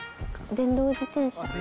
電動自転車。